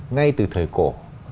ngay từ thời cổ